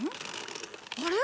あれ？